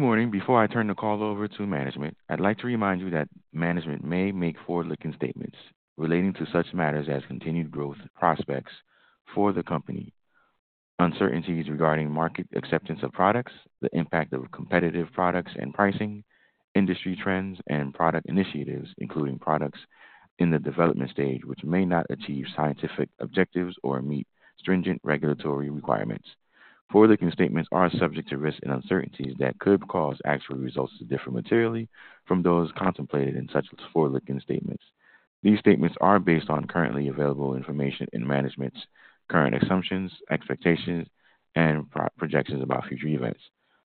Good morning. Before I turn the call over to management, I'd like to remind you that management may make forward-looking statements relating to such matters as continued growth prospects for the company, uncertainties regarding market acceptance of products, the impact of competitive products and pricing, industry trends, and product initiatives, including products in the development stage which may not achieve scientific objectives or meet stringent regulatory requirements. Forward-looking statements are subject to risks and uncertainties that could cause actual results to differ materially from those contemplated in such forward-looking statements. These statements are based on currently available information and management's current assumptions, expectations, and projections about future events.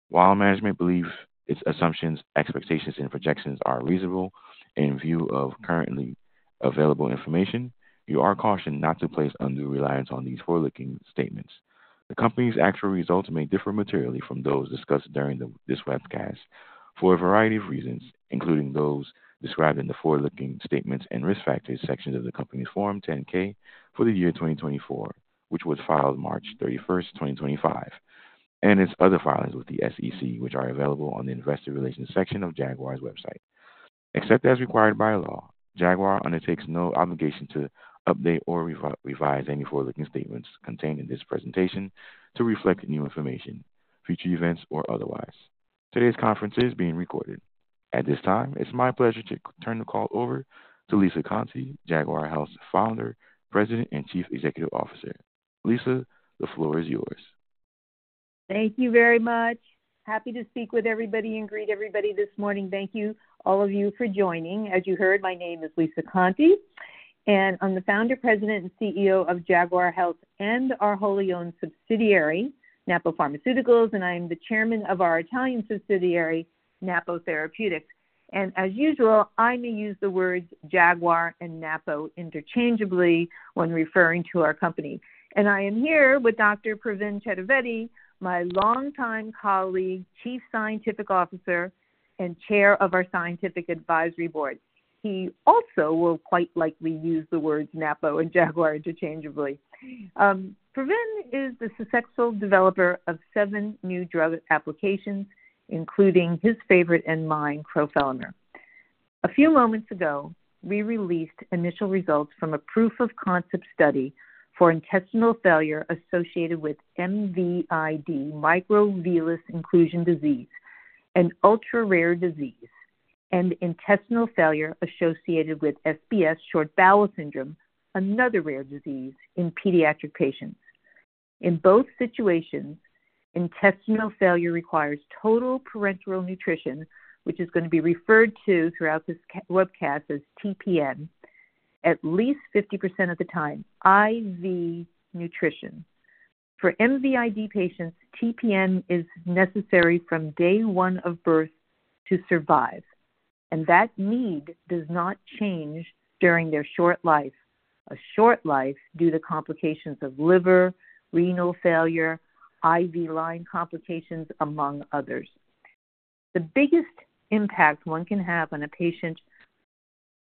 While management believes its assumptions, expectations, and projections are reasonable in view of currently available information, you are cautioned not to place undue reliance on these forward-looking statements. The company's actual results may differ materially from those discussed during this webcast for a variety of reasons, including those described in the forward-looking statements and risk factors sections of the company's Form 10-K for the year 2024, which was filed March 31, 2025, and its other filings with the SEC, which are available on the investor relations section of Jaguar's website. Except as required by law, Jaguar undertakes no obligation to update or revise any forward-looking statements contained in this presentation to reflect new information, future events, or otherwise. Today's conference is being recorded. At this time, it's my pleasure to turn the call over to Lisa Conte, Jaguar Health's founder, president, and chief executive officer. Lisa, the floor is yours. Thank you very much. Happy to speak with everybody and greet everybody this morning. Thank you, all of you, for joining. As you heard, my name is Lisa Conte, and I'm the founder, president, and CEO of Jaguar Health and our wholly-owned subsidiary, Napo Pharmaceuticals, and I am the chairman of our Italian subsidiary, Napo Therapeutics. As usual, I may use the words Jaguar and Napo interchangeably when referring to our company. I am here with Dr. Pravin Chaturvedi, my longtime colleague, chief scientific officer, and chair of our scientific advisory board. He also will quite likely use the words Napo and Jaguar interchangeably. Pravin is the successful developer of seven new drug applications, including his favorite and mine, crofelemer. A few moments ago, we released initial results from a proof-of-concept study for intestinal failure associated with MVID, microvillus inclusion disease, an ultra-rare disease, and intestinal failure associated with SBS, short bowel syndrome, another rare disease in pediatric patients. In both situations, intestinal failure requires total parenteral nutrition, which is going to be referred to throughout this webcast as TPN, at least 50% of the time, IV nutrition. For MVID patients, TPN is necessary from day one of birth to survive, and that need does not change during their short life, a short life due to complications of liver, renal failure, IV line complications, among others. The biggest impact one can have on a patient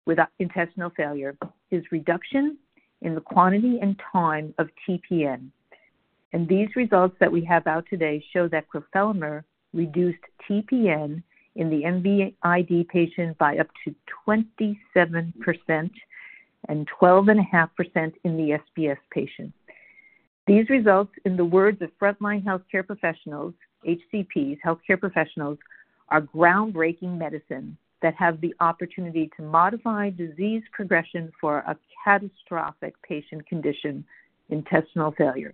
with intestinal failure is reduction in the quantity and time of TPN. These results that we have out today show that crofelemer reduced TPN in the MVID patient by up to 27% and 12.5% in the SBS patient. These results, in the words of frontline healthcare professionals, HCPs, healthcare professionals, are groundbreaking medicine that have the opportunity to modify disease progression for a catastrophic patient condition, intestinal failure.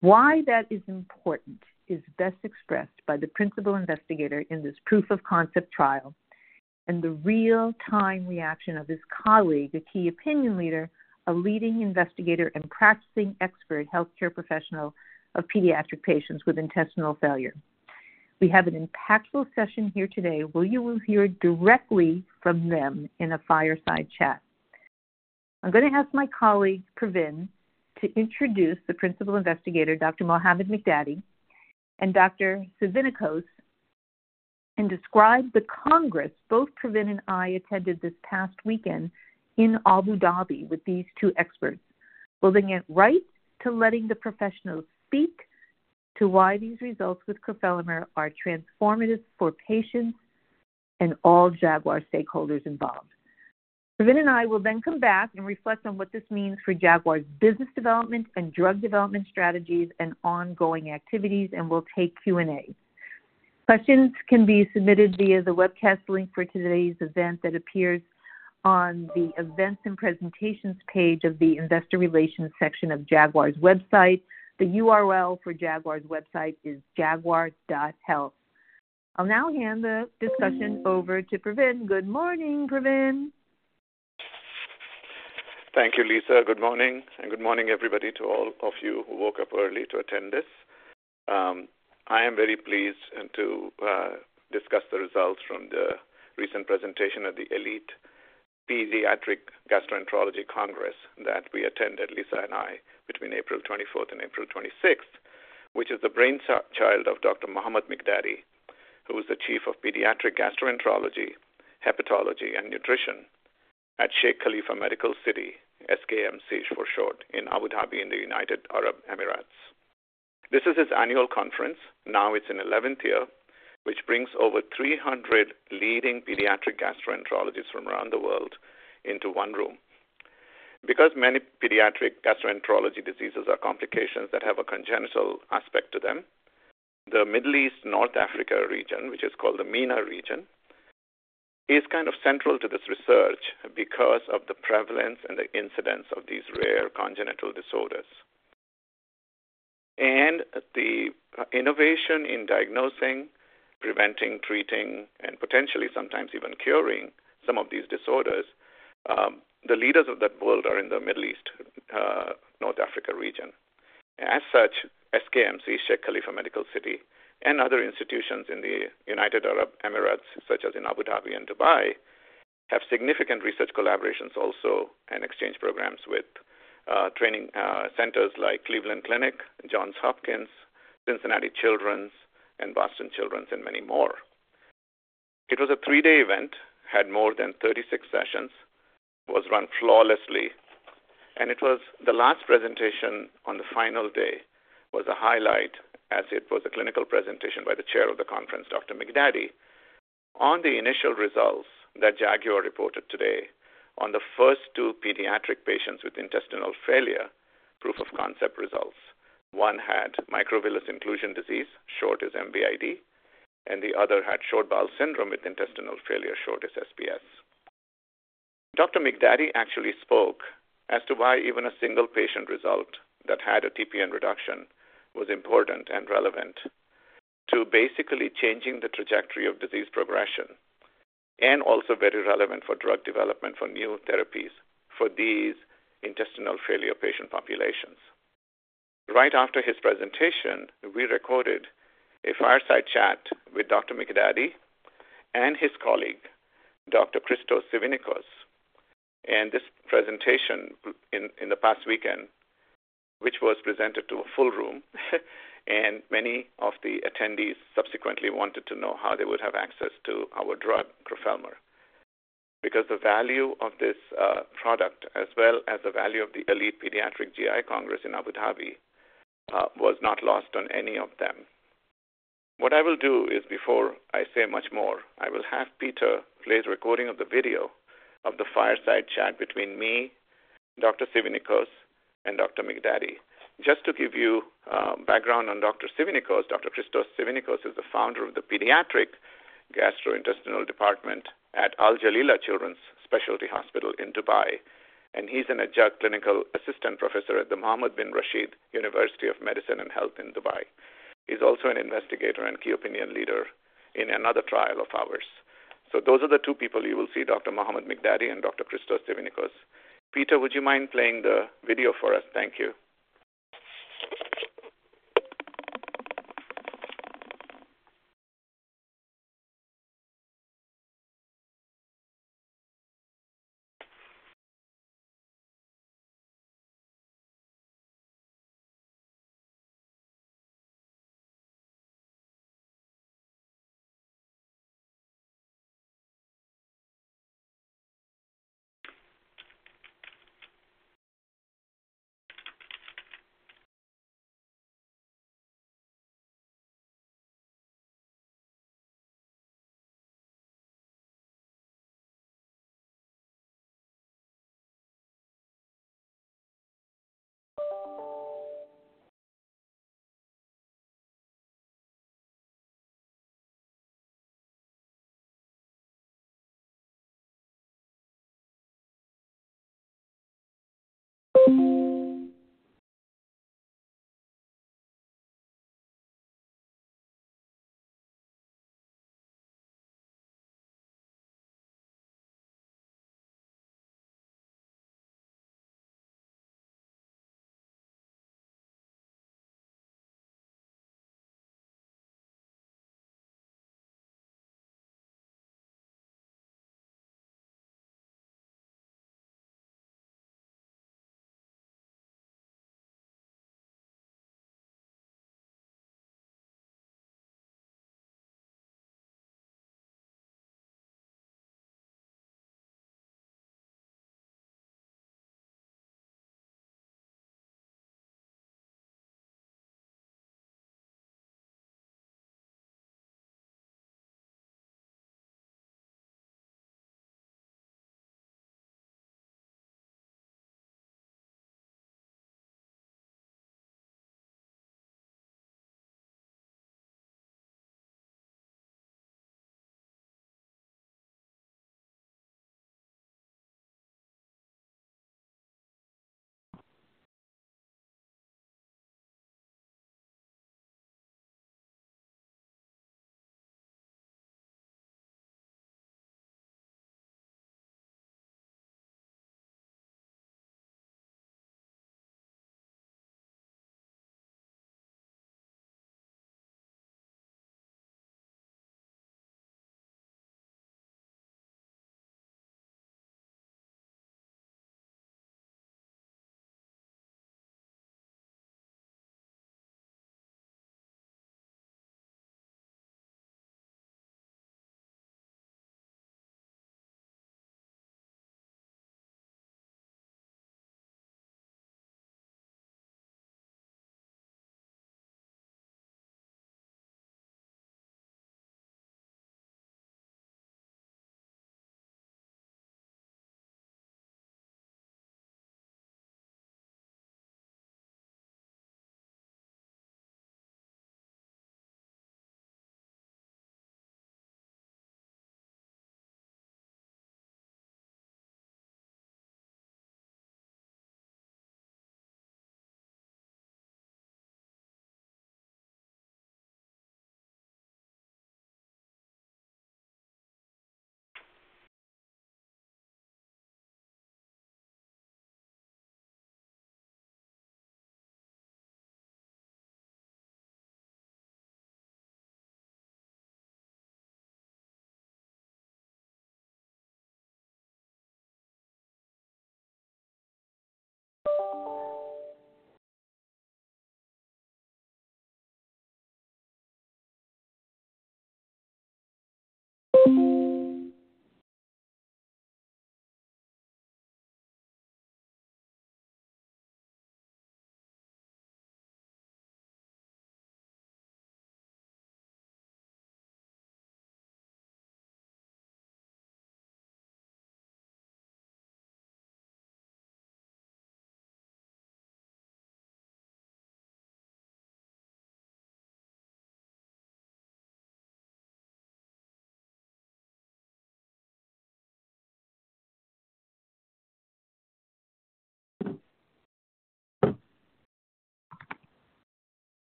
Why that is important is best expressed by the principal investigator in this proof-of-concept trial and the real-time reaction of his colleague, a key opinion leader, a leading investigator and practicing expert healthcare professional of pediatric patients with intestinal failure. We have an impactful session here today. You will hear directly from them in a fireside chat. I'm going to ask my colleague, Pravin, to introduce the principal investigator, Dr. Mohamad Miqdady, and Dr. Tzivinikos, and describe the congress both Pravin and I attended this past weekend in Abu Dhabi with these two experts, building it right to letting the professionals speak to why these results with crofelemer are transformative for patients and all Jaguar stakeholders involved. Pravin and I will then come back and reflect on what this means for Jaguar's business development and drug development strategies and ongoing activities, and we'll take Q&A. Questions can be submitted via the webcast link for today's event that appears on the events and presentations page of the investor relations section of Jaguar's website. The URL for Jaguar's website is jaguar.health. I'll now hand the discussion over to Pravin. Good morning, Pravin. Thank you, Lisa. Good morning, and good morning, everybody, to all of you who woke up early to attend this. I am very pleased to discuss the results from the recent presentation at the Elite Pediatric Gastroenterology Congress that we attended, Lisa and I, between April 24th and April 26th, which is the brainchild of Dr. Mohamad Miqdady, who is the Chief of Pediatric Gastroenterology, Hepatology, and Nutrition at Sheikh Khalifa Medical City, SKMC for short, in Abu Dhabi in the United Arab Emirates. This is his annual conference. Now it's in its 11th year, which brings over 300 leading pediatric gastroenterologists from around the world into one room. Because many pediatric gastroenterology diseases are complications that have a congenital aspect to them, the Middle East-North Africa region, which is called the MENA region, is kind of central to this research because of the prevalence and the incidence of these rare congenital disorders. The innovation in diagnosing, preventing, treating, and potentially sometimes even curing some of these disorders, the leaders of that world are in the Middle East-North Africa region. As such, SKMC, Sheikh Khalifa Medical City, and other institutions in the United Arab Emirates, such as in Abu Dhabi and Dubai, have significant research collaborations also and exchange programs with training centers like Cleveland Clinic, Johns Hopkins, Cincinnati Children's, and Boston Children's, and many more. It was a three-day event, had more than 36 sessions, was run flawlessly, and the last presentation on the final day was a highlight as it was a clinical presentation by the Chair of the conference, Dr. Miqdady, on the initial results that Jaguar reported today on the first two pediatric patients with intestinal failure proof-of-concept results. One had microvillus inclusion disease, short as MVID, and the other had short bowel syndrome with intestinal failure, short as SBS. Dr. Miqdady actually spoke as to why even a single patient result that had a TPN reduction was important and relevant to basically changing the trajectory of disease progression and also very relevant for drug development for new therapies for these intestinal failure patient populations. Right after his presentation, we recorded a fireside chat with Dr. Miqdady and his colleague, Dr. Christos Tzivinikos. This presentation in the past weekend, which was presented to a full room, and many of the attendees subsequently wanted to know how they would have access to our drug, crofelemer, because the value of this product, as well as the value of the Elite Pediatric GI Congress in Abu Dhabi, was not lost on any of them. What I will do is, before I say much more, I will have Peter play the recording of the video of the fireside chat between me, Dr. Tzivinikos, and Dr. Miqdady. Just to give you background on Dr. Tzivinikos, Dr. Christos Tzivinikos is the founder of the pediatric gastrointestinal department at Al Jalila Children's Specialty Hospital in Dubai, and he's an adjunct clinical assistant professor at the Mohammed bin Rashid University of Medicine and Health in Dubai. He's also an investigator and key opinion leader in another trial of ours. Those are the two people you will see: Dr. Mohamad Miqdady and Dr. Christos Tzivinikos. Peter, would you mind playing the video for us? Thank you. Thank you.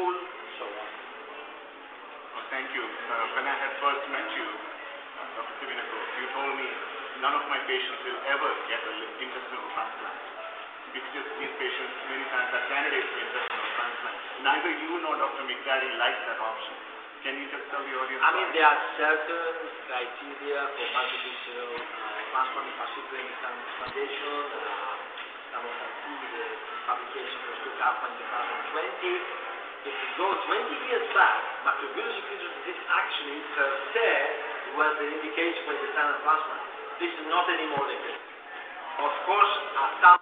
When I had first met you, Dr. Tzivinikos, you told me none of my patients will ever get an intestinal transplant. It's just these patients, many times, are candidates for intestinal transplant. Neither you nor Dr. Miqdady like that option. Can you just tell the audience? I mean, there are certain criteria for multidisciplinary transplantation. Some of them see the publication was took up in 2020. If we go 20 years back, microvillus inclusion disease actually per se was the indication for intestinal transplant. This is not anymore the case. Of course, some.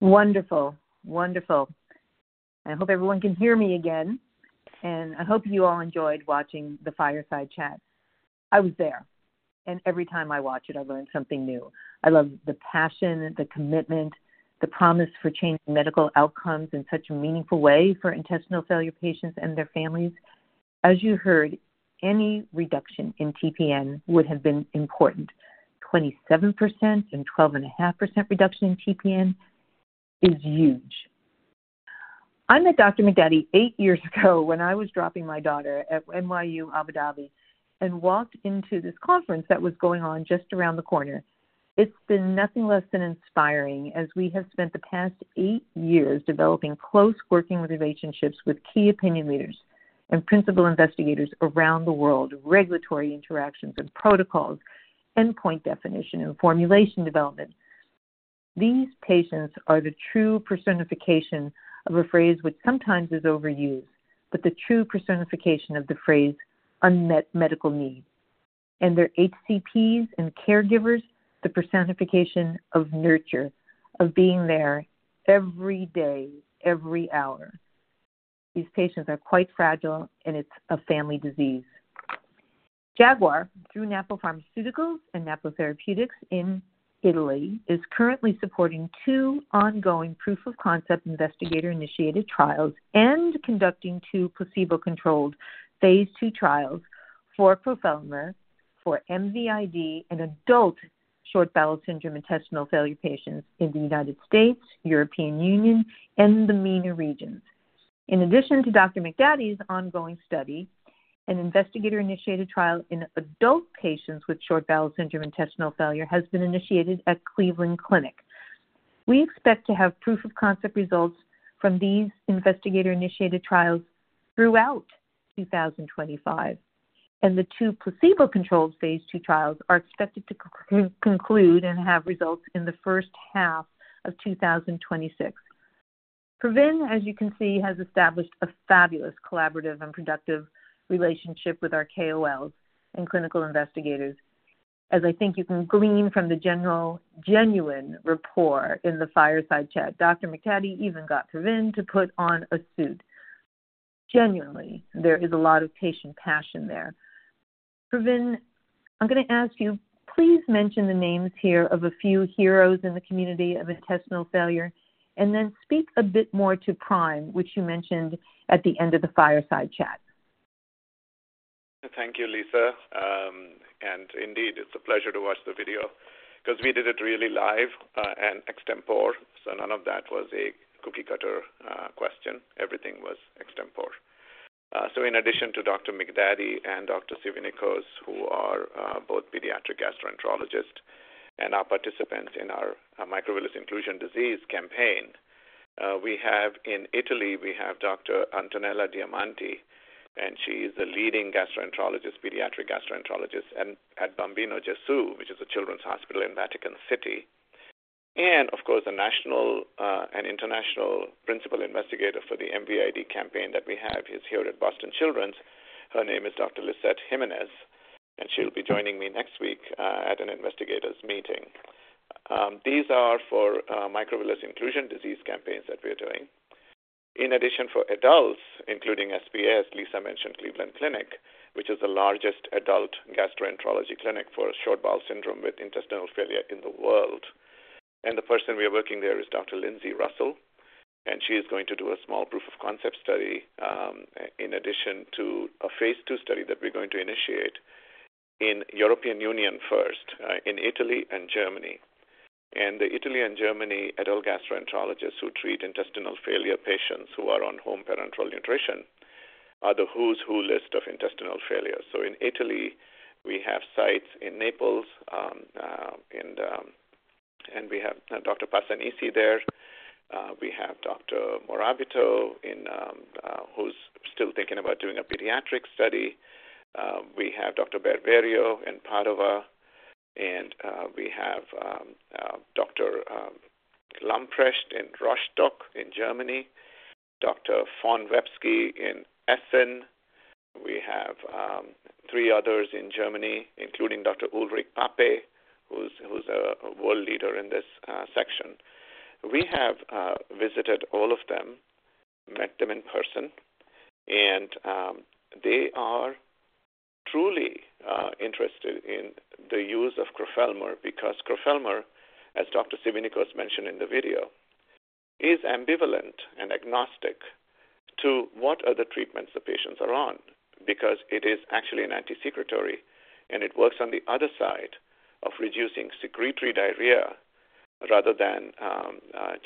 Wonderful. Wonderful. I hope everyone can hear me again, and I hope you all enjoyed watching the fireside chat. I was there, and every time I watch it, I learn something new. I love the passion, the commitment, the promise for changing medical outcomes in such a meaningful way for intestinal failure patients and their families. As you heard, any reduction in TPN would have been important. 27% and 12.5% reduction in TPN is huge. I met Dr. Miqdady eight years ago when I was dropping my daughter at NYU Abu Dhabi and walked into this conference that was going on just around the corner. It's been nothing less than inspiring as we have spent the past eight years developing close working relationships with key opinion leaders and principal investigators around the world, regulatory interactions and protocols, endpoint definition and formulation development. These patients are the true personification of a phrase which sometimes is overused, but the true personification of the phrase unmet medical need. Their HCPs and caregivers, the personification of nurture, of being there every day, every hour. These patients are quite fragile, and it's a family disease. Jaguar, through Napo Pharmaceuticals and Napo Therapeutics in Italy, is currently supporting two ongoing proof of concept investigator-initiated trials and conducting two placebo-controlled phase two trials for profoundness for MVID and adult short bowel syndrome intestinal failure patients in the United States, European Union, and the MENA regions. In addition to Dr. Miqdady's ongoing study, an investigator-initiated trial in adult patients with short bowel syndrome intestinal failure has been initiated at Cleveland Clinic. We expect to have proof of concept results from these investigator-initiated trials throughout 2025, and the two placebo-controlled phase two trials are expected to conclude and have results in the first half of 2026. Pravin, as you can see, has established a fabulous collaborative and productive relationship with our KOLs and clinical investigators, as I think you can glean from the general genuine rapport in the fireside chat. Dr. Miqdady even got Pravin to put on a suit. Genuinely, there is a lot of patient passion there. Pravin, I'm going to ask you, please mention the names here of a few heroes in the community of intestinal failure, and then speak a bit more to Prime, which you mentioned at the end of the fireside chat. Thank you, Lisa. Indeed, it's a pleasure to watch the video because we did it really live and extempore, so none of that was a cookie-cutter question. Everything was extempore. In addition to Dr. Miqdady and Dr. Tzivinikos, who are both pediatric gastroenterologists and are participants in our microvillus inclusion disease campaign, we have in Italy Dr. Antonella Diamanti, and she is a leading pediatric gastroenterologist at Bambino Gesù, which is a children's hospital in Vatican City. Of course, a national and international principal investigator for the MVID campaign that we have is here at Boston Children's. Her name is Dr. Lissette Jimenez, and she'll be joining me next week at an investigators' meeting. These are for microvillus inclusion disease campaigns that we're doing. In addition, for adults, including SBS, Lisa mentioned Cleveland Clinic, which is the largest adult gastroenterology clinic for short bowel syndrome with intestinal failure in the world. The person we are working there is Dr. Lindsay Russell, and she is going to do a small proof of concept study in addition to a phase two study that we're going to initiate in European Union first in Italy and Germany. The Italy and Germany adult gastroenterologists who treat intestinal failure patients who are on home parenteral nutrition are the who's who list of intestinal failure. In Italy, we have sites in Naples, and we have Dr. Pasanisi there. We have Dr. Morabito who's still thinking about doing a pediatric study. We have Dr. Barberio in Padova, and we have Dr. Lamprecht in Rostock in Germany, Dr. von Websky in Essen. We have three others in Germany, including Dr. Ulrich Pape, who's a world leader in this section. We have visited all of them, met them in person, and they are truly interested in the use of crofelemer because crofelemer, as Dr. Tzivinikos mentioned in the video, is ambivalent and agnostic to what other treatments the patients are on because it is actually an anti-secretory, and it works on the other side of reducing secretory diarrhea rather than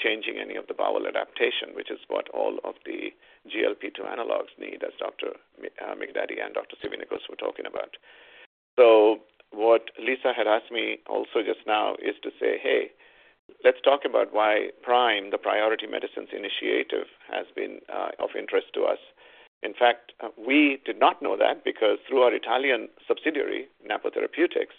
changing any of the bowel adaptation, which is what all of the GLP-2 analogs need, as Dr. Miqdady and Dr. Tzivinikos were talking about. What Lisa had asked me also just now is to say, "Hey, let's talk about why PRIME, the priority medicines initiative, has been of interest to us." In fact, we did not know that because through our Italian subsidiary, Napo Therapeutics,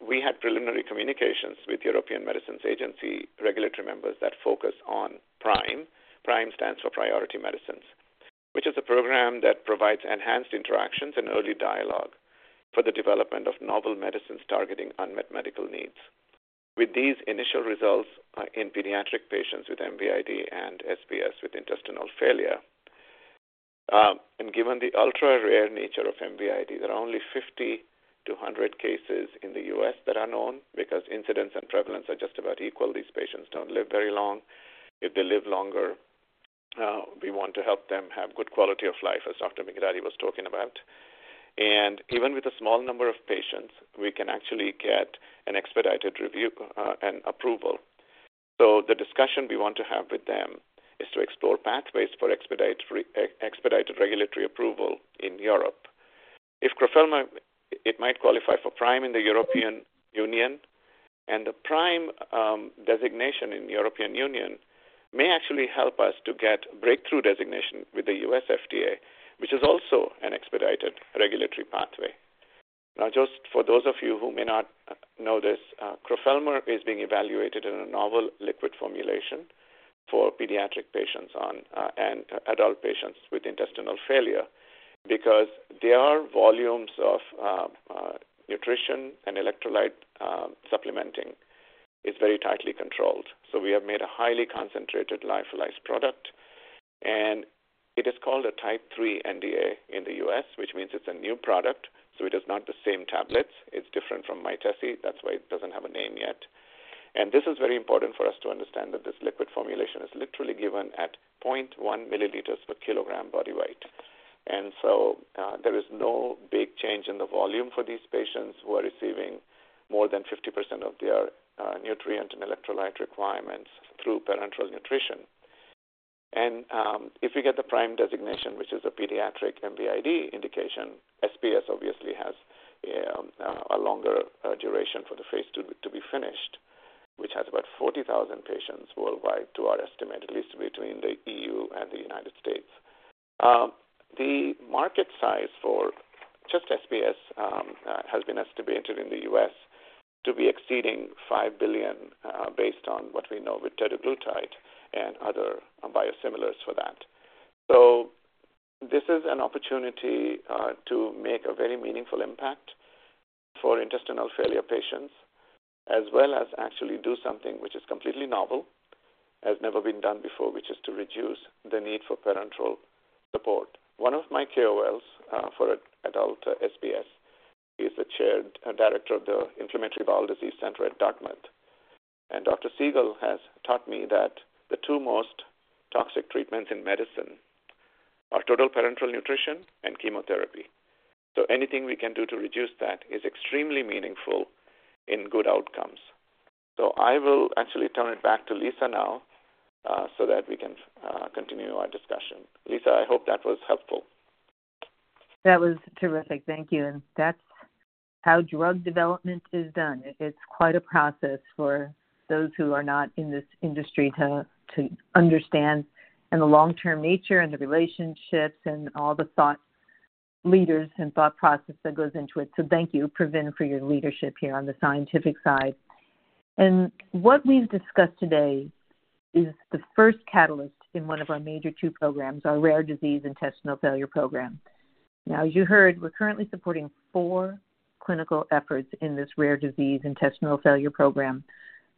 we had preliminary communications with European Medicines Agency regulatory members that focus on PRIME. PRIME stands for priority medicines, which is a program that provides enhanced interactions and early dialogue for the development of novel medicines targeting unmet medical needs. With these initial results in pediatric patients with MVID and SBS with intestinal failure, and given the ultra-rare nature of MVID, there are only 50-100 cases in the U.S. that are known because incidence and prevalence are just about equal. These patients do not live very long. If they live longer, we want to help them have good quality of life, as Dr. Miqdady was talking about. Even with a small number of patients, we can actually get an expedited review and approval. The discussion we want to have with them is to explore pathways for expedited regulatory approval in Europe. If crofelemer, it might qualify for PRIME in the European Union, and the PRIME designation in the European Union may actually help us to get Breakthrough Designation with the U.S. FDA, which is also an expedited regulatory pathway. Now, just for those of you who may not know this, crofelemer is being evaluated in a novel liquid formulation for pediatric patients and adult patients with intestinal failure because their volumes of nutrition and electrolyte supplementing is very tightly controlled. We have made a highly concentrated lyophilized product, and it is called a type 3 NDA in the U.S., which means it's a new product. It is not the same tablets. It's different from Mytesi. That's why it doesn't have a name yet. This is very important for us to understand that this liquid formulation is literally given at 0.1 milliliters per kilogram body weight. There is no big change in the volume for these patients who are receiving more than 50% of their nutrient and electrolyte requirements through parenteral nutrition. If we get the PRIME designation, which is a pediatric MVID indication, SBS obviously has a longer duration for the phase two to be finished, which has about 40,000 patients worldwide, to our estimate, at least between the EU and the United States. The market size for just SBS has been estimated in the U.S. to be exceeding $5 billion based on what we know with tetraglutide and other biosimilars for that. This is an opportunity to make a very meaningful impact for intestinal failure patients, as well as actually do something which is completely novel, has never been done before, which is to reduce the need for parenteral support. One of my KOLs for adult SBS is the Chair Director of the Inflammatory Bowel Disease Center at Dartmouth. Dr. Siegel has taught me that the two most toxic treatments in medicine are total parenteral nutrition and chemotherapy. Anything we can do to reduce that is extremely meaningful in good outcomes. I will actually turn it back to Lisa now so that we can continue our discussion. Lisa, I hope that was helpful. That was terrific. Thank you. That is how drug development is done. It is quite a process for those who are not in this industry to understand the long-term nature and the relationships and all the thought leaders and thought process that goes into it. Thank you, Pravin, for your leadership here on the scientific side. What we have discussed today is the first catalyst in one of our major two programs, our rare disease intestinal failure program. As you heard, we are currently supporting four clinical efforts in this rare disease intestinal failure program.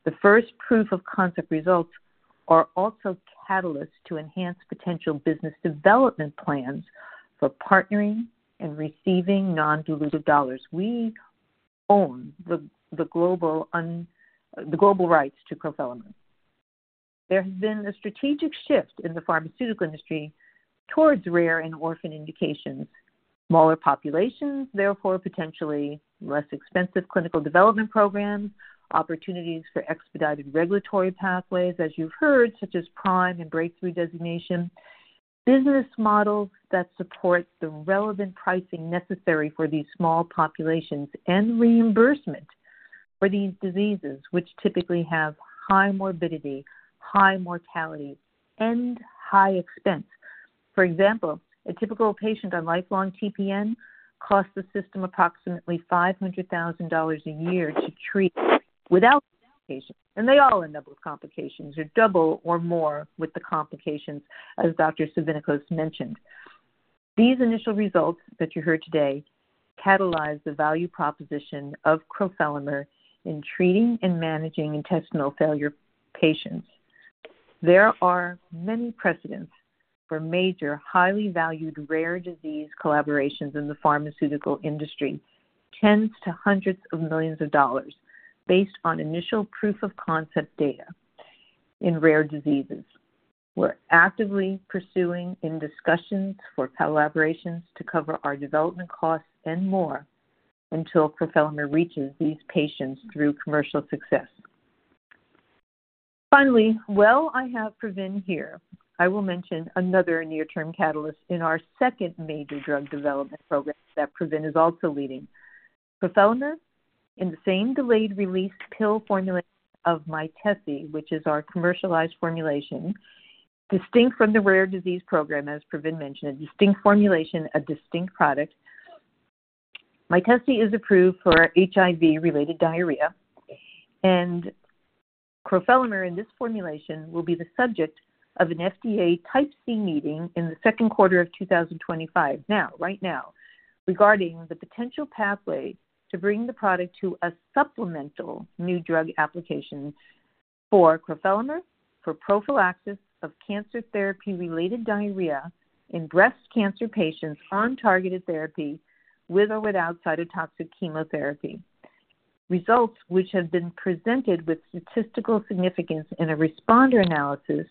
The first proof of concept results are also catalysts to enhance potential business development plans for partnering and receiving non-dilutive dollars. We own the global rights to crofelemer. There has been a strategic shift in the pharmaceutical industry towards rare and orphan indications, smaller populations, therefore potentially less expensive clinical development programs, opportunities for expedited regulatory pathways, as you've heard, such as PRIME and breakthrough designation, business models that support the relevant pricing necessary for these small populations and reimbursement for these diseases, which typically have high morbidity, high mortality, and high expense. For example, a typical patient on lifelong TPN costs the system approximately $500,000 a year to treat without complications, and they all end up with complications or double or more with the complications, as Dr. Tzivinikos mentioned. These initial results that you heard today catalyze the value proposition of crofelemer in treating and managing intestinal failure patients. There are many precedents for major, highly valued rare disease collaborations in the pharmaceutical industry, tens to hundreds of millions of dollars, based on initial proof of concept data in rare diseases. We're actively pursuing in discussions for collaborations to cover our development costs and more until crofelemer reaches these patients through commercial success. Finally, while I have Pravin here, I will mention another near-term catalyst in our second major drug development program that Pravin is also leading. Crofelemer, in the same delayed-release pill formulation of Mytesi, which is our commercialized formulation, distinct from the rare disease program, as Pravin mentioned, a distinct formulation, a distinct product. Mytesi is approved for HIV-related diarrhea, and crofelemer in this formulation will be the subject of an FDA type C meeting in the second quarter of 2025. Now, right now, regarding the potential pathway to bring the product to a supplemental new drug application for crofelemer, for prophylaxis of cancer therapy-related diarrhea in breast cancer patients on targeted therapy with or without cytotoxic chemotherapy. Results, which have been presented with statistical significance in a responder analysis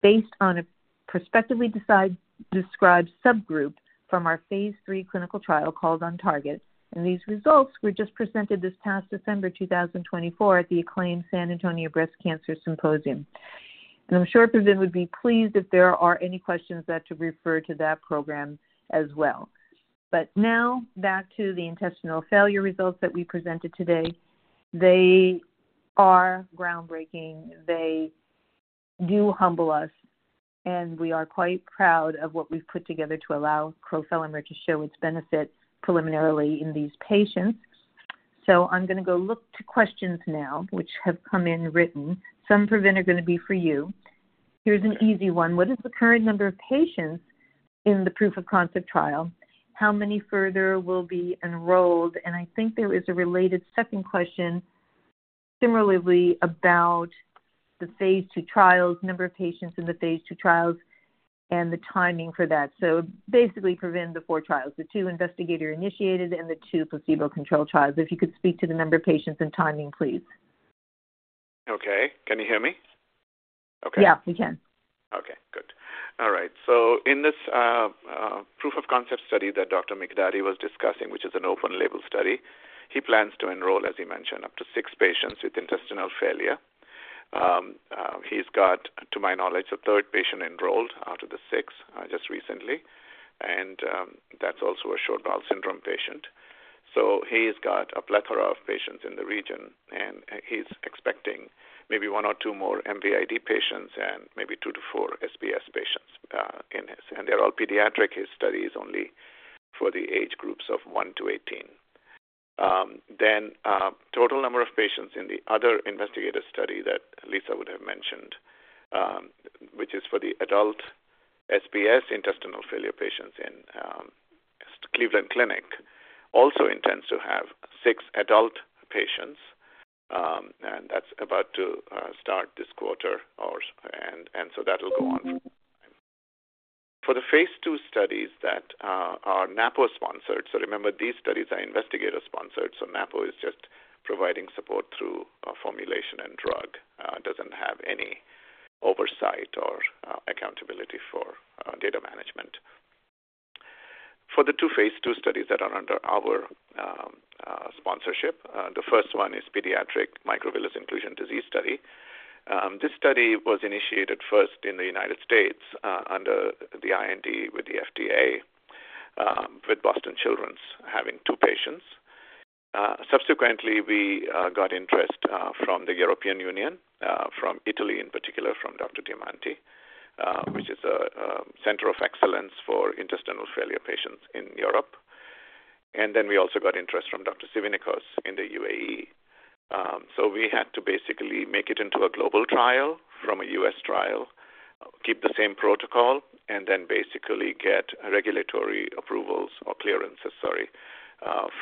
based on a prospectively described subgroup from our phase three clinical trial called OnTarget. These results were just presented this past December 2024 at the acclaimed San Antonio Breast Cancer Symposium. I am sure Pravin would be pleased if there are any questions that should refer to that program as well. Now back to the intestinal failure results that we presented today. They are groundbreaking. They do humble us, and we are quite proud of what we've put together to allow crofelemer to show its benefit preliminarily in these patients. I'm going to go look to questions now, which have come in written. Some, Pravin, are going to be for you. Here's an easy one. What is the current number of patients in the proof of concept trial? How many further will be enrolled? I think there is a related second question similarly about the phase two trials, number of patients in the phase two trials, and the timing for that. Basically, Pravin, the four trials, the two investigator-initiated, and the two placebo-controlled trials. If you could speak to the number of patients and timing, please. Okay. Can you hear me okay? Yeah, we can. Okay. Good. All right. In this proof-of-concept study that Dr. Miqdady was discussing, which is an open-label study, he plans to enroll, as he mentioned, up to six patients with intestinal failure. He's got, to my knowledge, the third patient enrolled out of the six just recently, and that's also a short bowel syndrome patient. He's got a plethora of patients in the region, and he's expecting maybe one or two more MVID patients and maybe two to four SBS patients in this. They're all pediatric. His study is only for the age groups of 1 to 18. The total number of patients in the other investigator study that Lisa would have mentioned, which is for the adult SBS intestinal failure patients in Cleveland Clinic, also intends to have six adult patients, and that's about to start this quarter, and that'll go on for a while. For the phase two studies that are Napo-sponsored, remember, these studies are investigator-sponsored, so Napo is just providing support through formulation and drug, doesn't have any oversight or accountability for data management. For the two phase two studies that are under our sponsorship, the first one is pediatric microvillus inclusion disease study. This study was initiated first in the United States under the IND with the FDA, with Boston Children's having two patients. Subsequently, we got interest from the European Union, from Italy, in particular, from Dr. Diamanti, which is a center of excellence for intestinal failure patients in Europe. We also got interest from Dr. Tzivinikos in the UAE. We had to basically make it into a global trial from a U.S. trial, keep the same protocol, and then basically get regulatory approvals or clearances, sorry,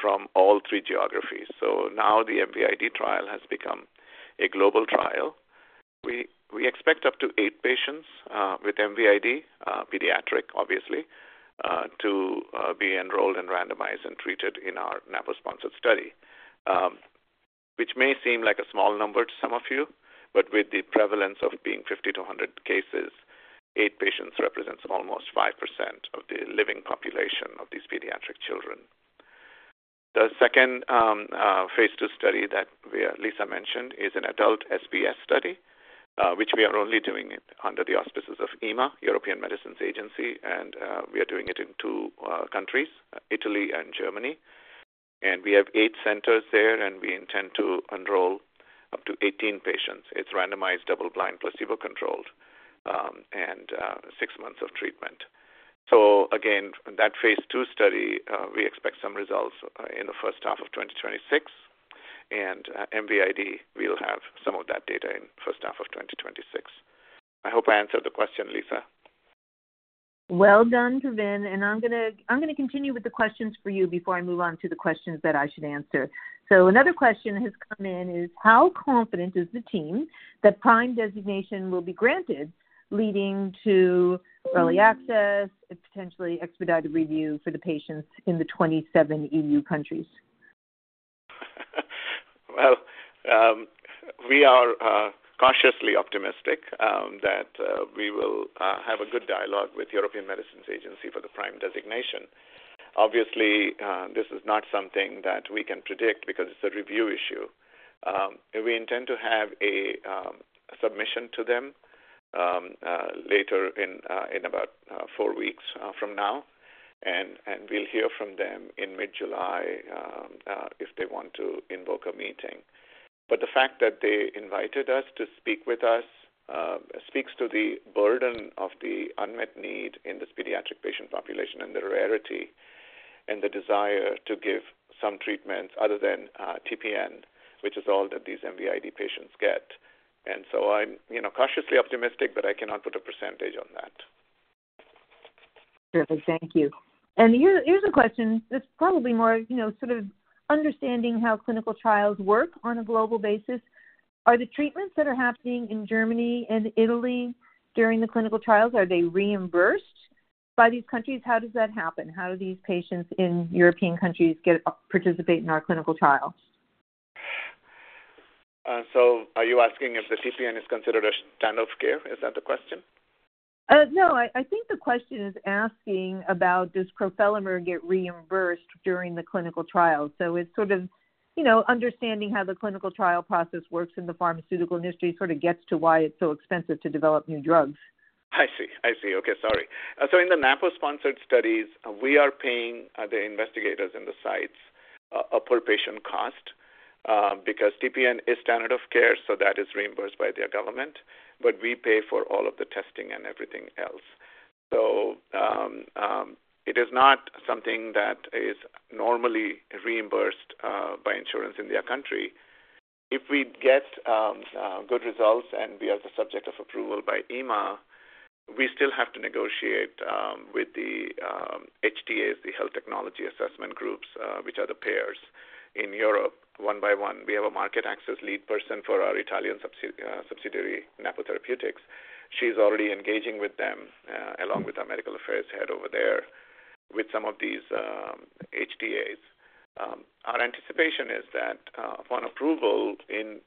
from all three geographies. Now the MVID trial has become a global trial. We expect up to eight patients with MVID, pediatric, obviously, to be enrolled and randomized and treated in our Napo-sponsored study, which may seem like a small number to some of you, but with the prevalence of being 50-100 cases, eight patients represents almost 5% of the living population of these pediatric children. The second phase two study that Lisa mentioned is an adult SBS study, which we are only doing under the auspices of EMA, European Medicines Agency, and we are doing it in two countries, Italy and Germany. We have eight centers there, and we intend to enroll up to 18 patients. It is randomized, double-blind, placebo-controlled, and six months of treatment. Again, that phase two study, we expect some results in the first half of 2026, and MVID, we will have some of that data in the first half of 2026. I hope I answered the question, Lisa. Well done, Pravin. I'm going to continue with the questions for you before I move on to the questions that I should answer. Another question has come in is, how confident is the team that Prime designation will be granted, leading to early access and potentially expedited review for the patients in the 27 EU countries? We are cautiously optimistic that we will have a good dialogue with the European Medicines Agency for the Prime designation. Obviously, this is not something that we can predict because it's a review issue. We intend to have a submission to them later in about four weeks from now, and we'll hear from them in mid-July if they want to invoke a meeting. The fact that they invited us to speak with us speaks to the burden of the unmet need in this pediatric patient population and the rarity and the desire to give some treatments other than TPN, which is all that these MVID patients get. I am cautiously optimistic, but I cannot put a % on that. Terrific. Thank you. Here's a question. It's probably more sort of understanding how clinical trials work on a global basis. Are the treatments that are happening in Germany and Italy during the clinical trials, are they reimbursed by these countries? How does that happen? How do these patients in European countries participate in our clinical trial? Are you asking if the TPN is considered a standard of care? Is that the question? No. I think the question is asking about, does crofelemer get reimbursed during the clinical trial? It is sort of understanding how the clinical trial process works in the pharmaceutical industry sort of gets to why it is so expensive to develop new drugs. I see. I see. Okay. Sorry. In the Napo-sponsored studies, we are paying the investigators and the sites a per-patient cost because TPN is standard of care, so that is reimbursed by their government, but we pay for all of the testing and everything else. It is not something that is normally reimbursed by insurance in their country. If we get good results and we are the subject of approval by EMA, we still have to negotiate with the HTAs, the Health Technology Assessment Groups, which are the payers in Europe, one by one. We have a market access lead person for our Italian subsidiary, Napo Therapeutics. She's already engaging with them along with our medical affairs head over there with some of these HTAs. Our anticipation is that upon approval in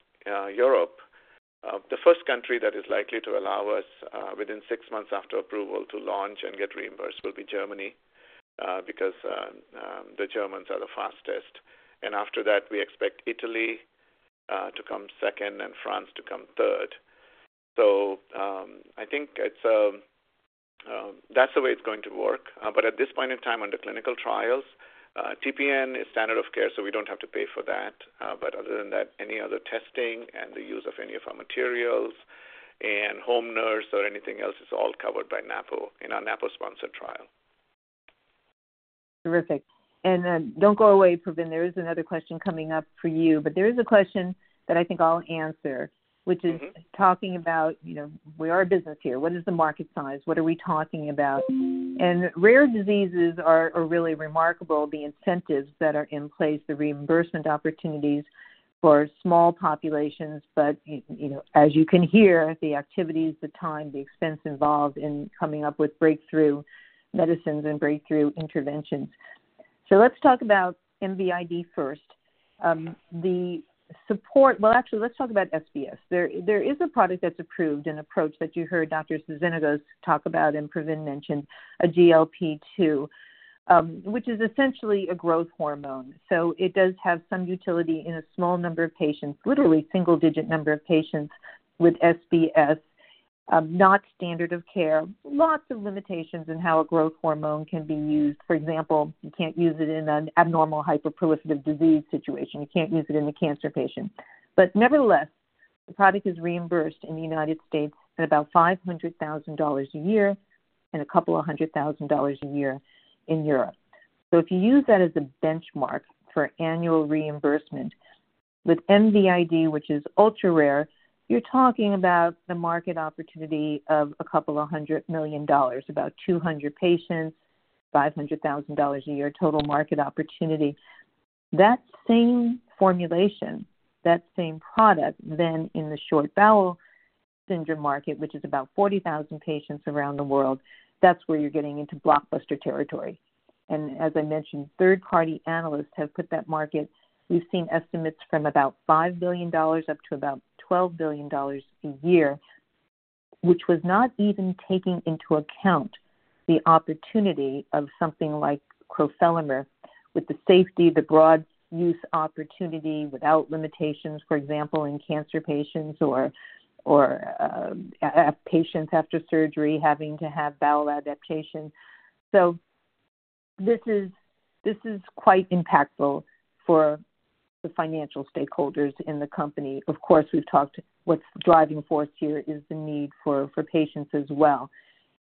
Europe, the first country that is likely to allow us within six months after approval to launch and get reimbursed will be Germany because the Germans are the fastest. After that, we expect Italy to come second and France to come third. I think that's the way it's going to work. At this point in time, under clinical trials, TPN is standard of care, so we don't have to pay for that. Other than that, any other testing and the use of any of our materials and home nurse or anything else is all covered by Napo in our Napo-sponsored trial. Terrific. Don't go away, Pravin. There is another question coming up for you, but there is a question that I think I'll answer, which is talking about, where are our business here? What is the market size? What are we talking about? Rare diseases are really remarkable, the incentives that are in place, the reimbursement opportunities for small populations, but as you can hear, the activities, the time, the expense involved in coming up with breakthrough medicines and breakthrough interventions. Let's talk about MVID first. Actually, let's talk about SBS. There is a product that's approved and approach that you heard Dr. Dr. Tzivinikos talk about, and Pravin mentioned, a GLP-2, which is essentially a growth hormone. It does have some utility in a small number of patients, literally single-digit number of patients with SBS, not standard of care, lots of limitations in how a growth hormone can be used. For example, you can't use it in an abnormal hyperproliferative disease situation. You can't use it in the cancer patient. Nevertheless, the product is reimbursed in the United States at about $500,000 a year and a couple of hundred thousand dollars a year in Europe. If you use that as a benchmark for annual reimbursement with MVID, which is ultra-rare, you're talking about the market opportunity of a couple of hundred million dollars, about 200 patients, $500,000 a year total market opportunity. That same formulation, that same product, then in the short bowel syndrome market, which is about 40,000 patients around the world, that's where you're getting into blockbuster territory. As I mentioned, third-party analysts have put that market. We've seen estimates from about $5 billion up to about $12 billion a year, which was not even taking into account the opportunity of something like crofelemer with the safety, the broad use opportunity without limitations, for example, in cancer patients or patients after surgery having to have bowel adaptation. This is quite impactful for the financial stakeholders in the company. Of course, we've talked what's driving force here is the need for patients as well.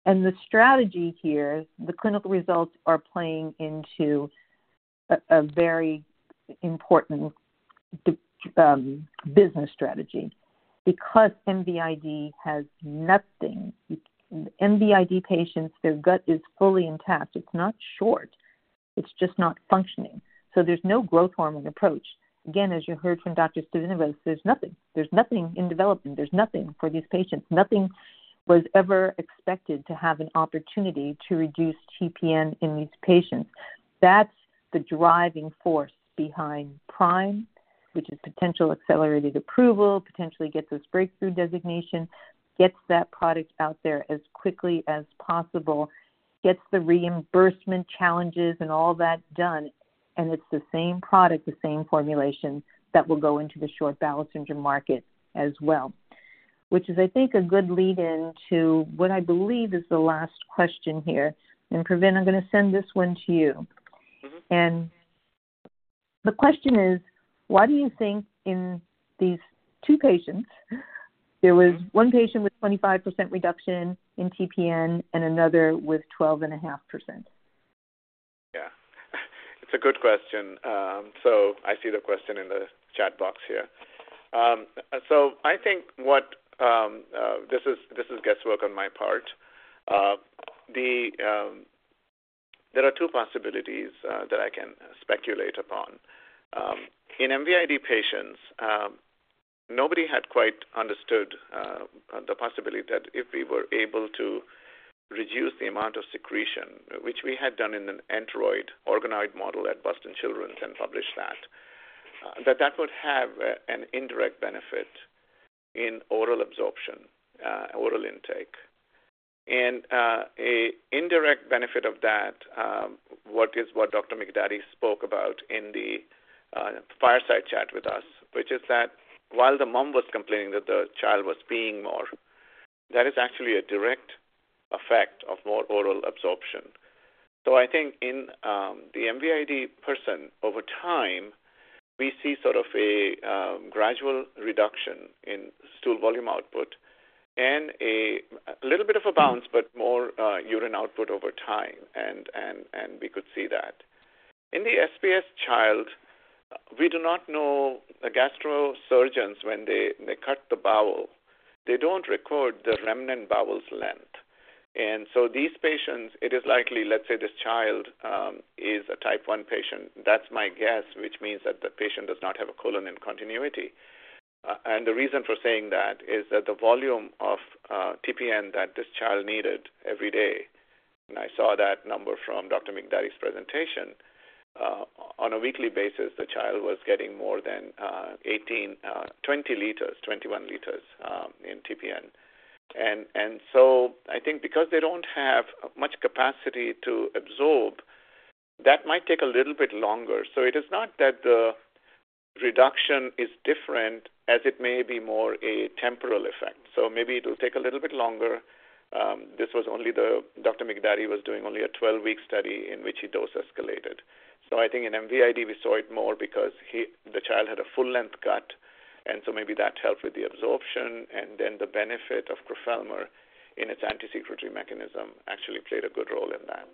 The strategy here, the clinical results are playing into a very important business strategy because MVID has nothing. MVID patients, their gut is fully intact. It's not short. It's just not functioning. There's no growth hormone approach. Again, as you heard from Dr. Tzivinikos, there's nothing. There's nothing in development. There's nothing for these patients. Nothing was ever expected to have an opportunity to reduce TPN in these patients. That's the driving force behind PRIME, which is potential accelerated approval, potentially gets us breakthrough designation, gets that product out there as quickly as possible, gets the reimbursement challenges and all that done, and it's the same product, the same formulation that will go into the short bowel syndrome market as well, which is, I think, a good lead-in to what I believe is the last question here. Pravin, I'm going to send this one to you. The question is, why do you think in these two patients, there was one patient with 25% reduction in TPN and another with 12.5%? Yeah. It's a good question. I see the question in the chat box here. I think what this is guesswork on my part. There are two possibilities that I can speculate upon. In MVID patients, nobody had quite understood the possibility that if we were able to reduce the amount of secretion, which we had done in an enteroid organoid model at Boston Children's and published that, that that would have an indirect benefit in oral absorption, oral intake. An indirect benefit of that is what Dr. Miqdady spoke about in the fireside chat with us, which is that while the mom was complaining that the child was peeing more, that is actually a direct effect of more oral absorption. I think in the MVID person, over time, we see sort of a gradual reduction in stool volume output and a little bit of a bounce, but more urine output over time, and we could see that. In the SBS child, we do not know the gastro surgeons when they cut the bowel. They don't record the remnant bowel's length. These patients, it is likely, let's say this child is a type 1 patient, that's my guess, which means that the patient does not have a colon in continuity. The reason for saying that is that the volume of TPN that this child needed every day, and I saw that number from Dr. Miqdady's presentation, on a weekly basis, the child was getting more than 18, 20 liters, 21 liters in TPN. I think because they don't have much capacity to absorb, that might take a little bit longer. It is not that the reduction is different, as it may be more a temporal effect. Maybe it will take a little bit longer. This was only Dr. Miqdady was doing only a 12-week study in which he dose escalated. I think in MVID, we saw it more because the child had a full-length cut, and maybe that helped with the absorption, and then the benefit of crofelemer in its anti-secretory mechanism actually played a good role in that.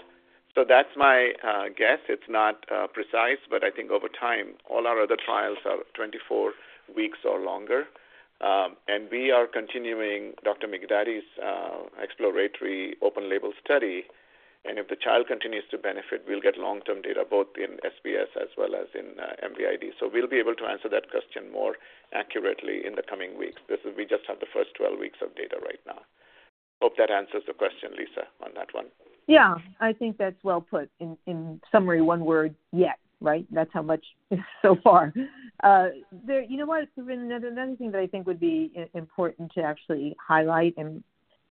That's my guess. It's not precise, but I think over time, all our other trials are 24 weeks or longer, and we are continuing Dr. Miqdady's exploratory open-label study, and if the child continues to benefit, we'll get long-term data both in SBS as well as in MVID. We will be able to answer that question more accurately in the coming weeks. We just have the first 12 weeks of data right now. I hope that answers the question, Lisa, on that one. Yeah. I think that's well put. In summary, one word, yes, right? That's how much so far. You know what, Pravin? Another thing that I think would be important to actually highlight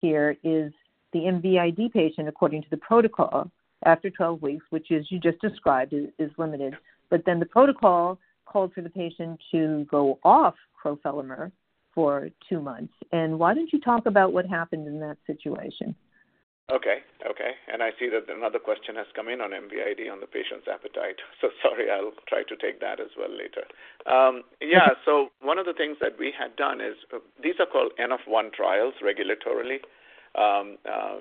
here is the MVID patient, according to the protocol, after 12 weeks, which is you just described, is limited. The protocol called for the patient to go off crofelemer for two months. Why don't you talk about what happened in that situation? Okay. Okay. I see that another question has come in on MVID on the patient's appetite. Sorry, I'll try to take that as well later. Yeah. One of the things that we had done is these are called N-of-1 trials regulatorily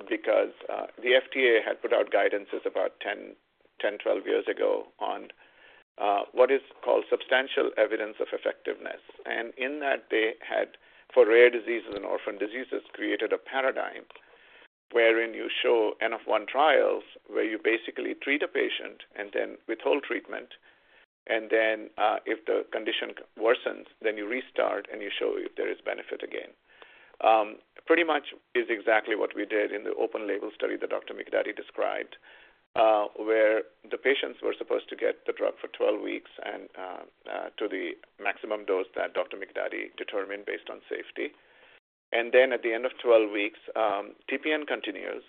because the FDA had put out guidances about 10, 12 years ago on what is called substantial evidence of effectiveness. In that, they had, for rare diseases and orphan diseases, created a paradigm wherein you show N-of-1 trials where you basically treat a patient and then withhold treatment, and then if the condition worsens, you restart and you show if there is benefit again. Pretty much is exactly what we did in the open-label study that Dr. Miqdady described, where the patients were supposed to get the drug for 12 weeks and to the maximum dose that Dr. Miqdady determined based on safety. At the end of 12 weeks, TPN continues,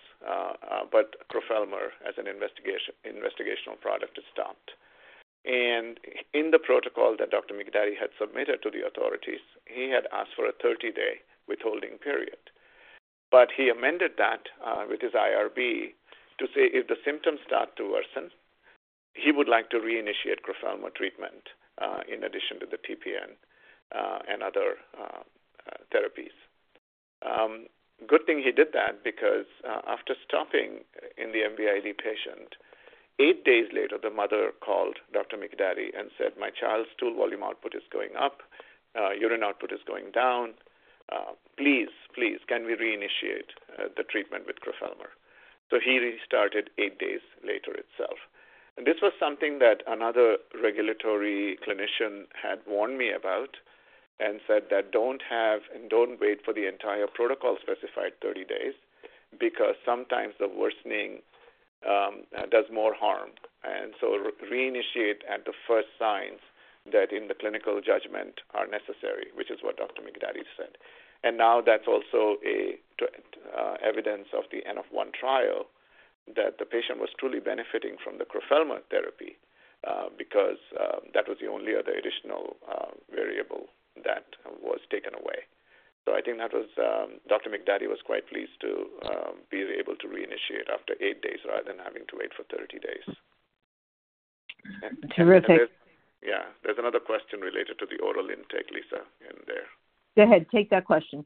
but crofelemer as an investigational product is stopped. In the protocol that Dr. Miqdady had submitted to the authorities, he had asked for a 30-day withholding period, but he amended that with his IRB to say if the symptoms start to worsen, he would like to reinitiate crofelemer treatment in addition to the TPN and other therapies. Good thing he did that because after stopping in the MVID patient, eight days later, the mother called Dr. Miqdady and said, "My child's stool volume output is going up. Urine output is going down. Please, please, can we reinitiate the treatment with crofelemer?" He restarted eight days later itself. This was something that another regulatory clinician had warned me about and said that don't have and don't wait for the entire protocol specified 30 days because sometimes the worsening does more harm. Reinitiate at the first signs that in the clinical judgment are necessary, which is what Dr. Miqdady said. Now that's also evidence of the N-of-1 trial that the patient was truly benefiting from the crofelemer therapy because that was the only other additional variable that was taken away. I think Dr. Miqdady was quite pleased to be able to reinitiate after eight days rather than having to wait for 30 days. Terrific. Yeah. There's another question related to the oral intake, Lisa, in there. Go ahead. Take that question.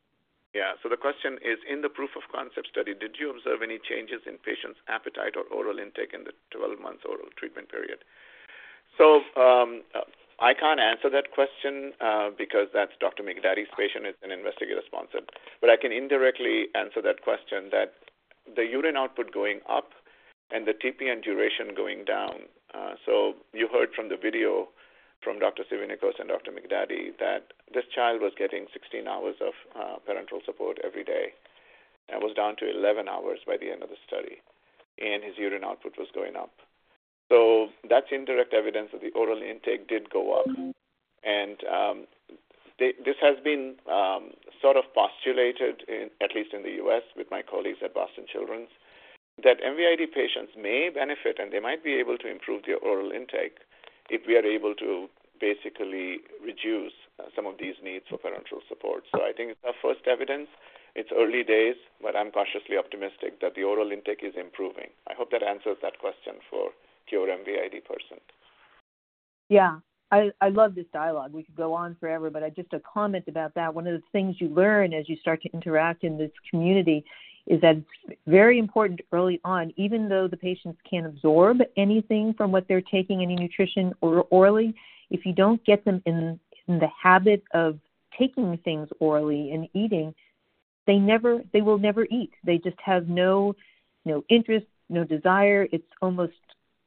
Yeah. The question is, in the proof of concept study, did you observe any changes in patients' appetite or oral intake in the 12-month oral treatment period? I can't answer that question because that's Dr. Miqdady's patient. It's an investigator-sponsored. I can indirectly answer that question that the urine output going up and the TPN duration going down. You heard from the video from Dr. Tzivinikos and Dr. Miqdady that this child was getting 16 hours of parenteral support every day and was down to 11 hours by the end of the study, and his urine output was going up. That's indirect evidence that the oral intake did go up. This has been sort of postulated, at least in the U.S., with my colleagues at Boston Children's, that MVID patients may benefit, and they might be able to improve their oral intake if we are able to basically reduce some of these needs for parenteral support. I think it's our first evidence. It's early days, but I'm cautiously optimistic that the oral intake is improving. I hope that answers that question for your MVID person. Yeah. I love this dialogue. We could go on forever, but just a comment about that. One of the things you learn as you start to interact in this community is that it's very important early on, even though the patients can't absorb anything from what they're taking, any nutrition orally, if you don't get them in the habit of taking things orally and eating, they will never eat. They just have no interest, no desire. It's almost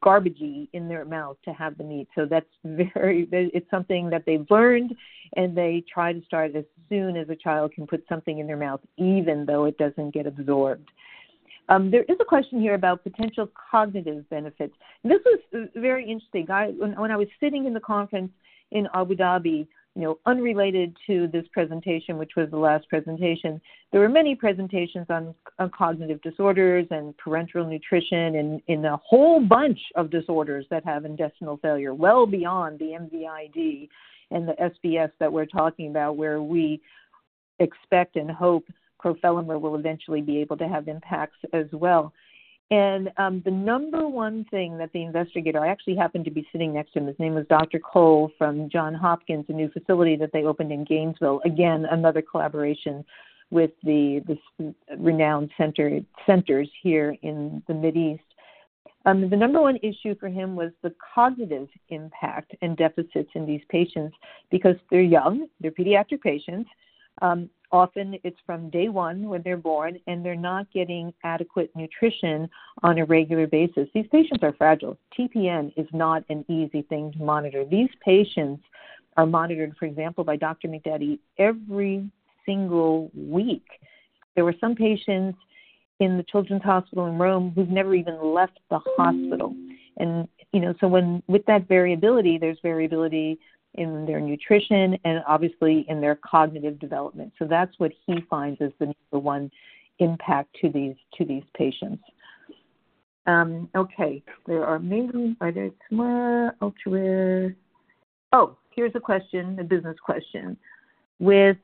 garbagey in their mouth to have the meat. That's very, it's something that they've learned, and they try to start as soon as a child can put something in their mouth, even though it doesn't get absorbed. There is a question here about potential cognitive benefits. This was very interesting. When I was sitting in the conference in Abu Dhabi, unrelated to this presentation, which was the last presentation, there were many presentations on cognitive disorders and parenteral nutrition and a whole bunch of disorders that have intestinal failure well beyond the MVID and the SBS that we're talking about, where we expect and hope crofelemer will eventually be able to have impacts as well. The number one thing that the investigator I actually happened to be sitting next to him, his name was Dr. Cole from Johns Hopkins, a new facility that they opened in Gainesville, again, another collaboration with the renowned centers here in the Mideast. The number one issue for him was the cognitive impact and deficits in these patients because they're young. They're pediatric patients. Often, it's from day one when they're born, and they're not getting adequate nutrition on a regular basis. These patients are fragile. TPN is not an easy thing to monitor. These patients are monitored, for example, by Dr. Miqdady every single week. There were some patients in the Children's Hospital in Rome who've never even left the hospital. With that variability, there's variability in their nutrition and obviously in their cognitive development. That's what he finds as the number one impact to these patients. Okay. There are many. Are there some more elsewhere? Oh, here's a question, a business question. With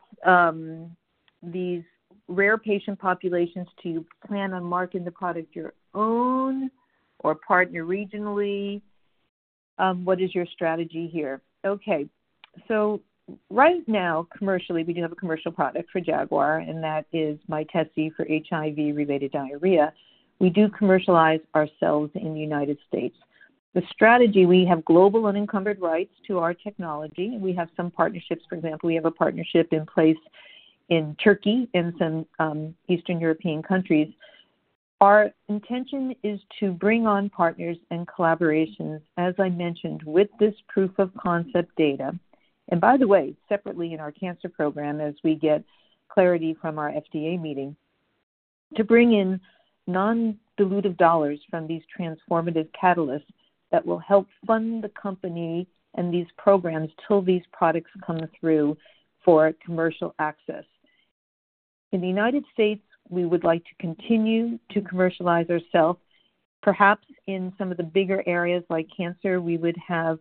these rare patient populations, do you plan on marketing the product your own or partner regionally? What is your strategy here? Okay. Right now, commercially, we do have a commercial product for Jaguar, and that is Mytesi for HIV-related diarrhea. We do commercialize ourselves in the United States. The strategy, we have global unencumbered rights to our technology, and we have some partnerships. For example, we have a partnership in place in Turkey and some Eastern European countries. Our intention is to bring on partners and collaborations, as I mentioned, with this proof of concept data. By the way, separately in our cancer program, as we get clarity from our FDA meeting, to bring in non-dilutive dollars from these transformative catalysts that will help fund the company and these programs till these products come through for commercial access. In the United States, we would like to continue to commercialize ourself. Perhaps in some of the bigger areas like cancer, we would have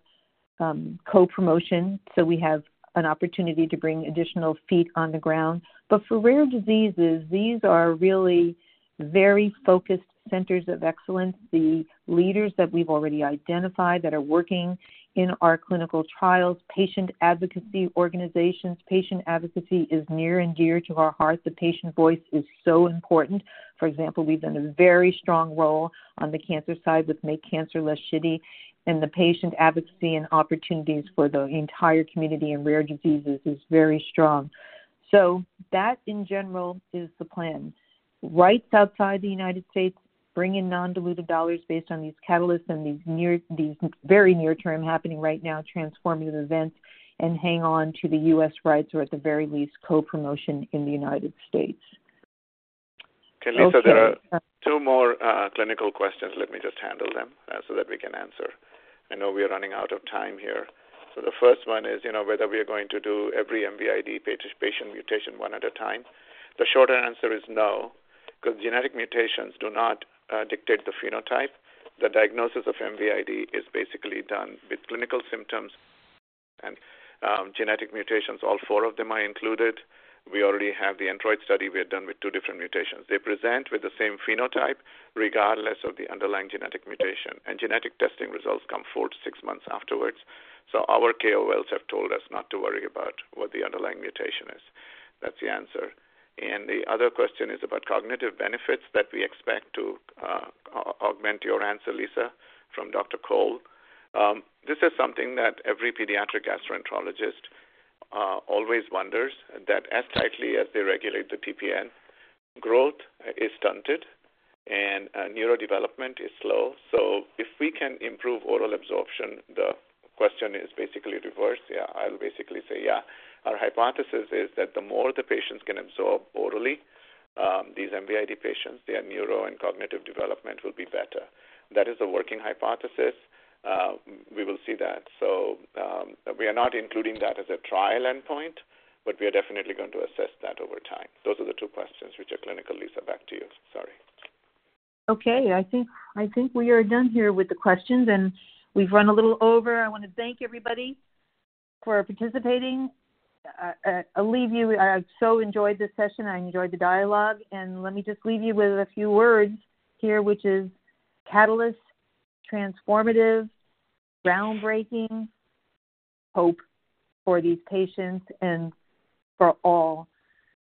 co-promotion, so we have an opportunity to bring additional feet on the ground. For rare diseases, these are really very focused centers of excellence, the leaders that we've already identified that are working in our clinical trials, patient advocacy organizations. Patient advocacy is near and dear to our hearts. The patient voice is so important. For example, we've done a very strong role on the cancer side with Make Cancer Less Shitty, and the patient advocacy and opportunities for the entire community in rare diseases is very strong. That, in general, is the plan. Rights outside the United States, bring in non-dilutive dollars based on these catalysts and these very near-term happening right now transformative events and hang on to the U.S. rights or, at the very least, co-promotion in the United States. Okay. Lisa, there are two more clinical questions. Let me just handle them so that we can answer. I know we are running out of time here. The first one is whether we are going to do every MVID patient mutation one at a time. The short answer is no because genetic mutations do not dictate the phenotype. The diagnosis of MVID is basically done with clinical symptoms and genetic mutations. All four of them are included. We already have the enteroid study we had done with two different mutations. They present with the same phenotype regardless of the underlying genetic mutation, and genetic testing results come four to six months afterwards. Our KOLs have told us not to worry about what the underlying mutation is. That's the answer. The other question is about cognitive benefits that we expect to augment your answer, Lisa, from Dr. Cole. This is something that every pediatric gastroenterologist always wonders, that as tightly as they regulate the TPN, growth is stunted and neurodevelopment is slow. If we can improve oral absorption, the question is basically reversed. Yeah, I'll basically say yeah. Our hypothesis is that the more the patients can absorb orally, these MVID patients, their neuro and cognitive development will be better. That is the working hypothesis. We will see that. We are not including that as a trial endpoint, but we are definitely going to assess that over time. Those are the two questions which are clinical. Lisa, back to you. Sorry. Okay. I think we are done here with the questions, and we've run a little over. I want to thank everybody for participating. I'll leave you. I've so enjoyed this session. I enjoyed the dialogue. Let me just leave you with a few words here, which is catalyst, transformative, groundbreaking, hope for these patients and for all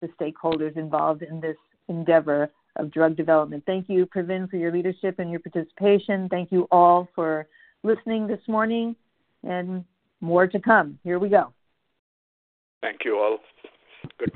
the stakeholders involved in this endeavor of drug development. Thank you, Pravin, for your leadership and your participation. Thank you all for listening this morning, and more to come. Here we go. Thank you all. Good.